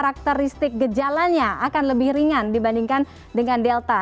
karakteristik gejalanya akan lebih ringan dibandingkan dengan delta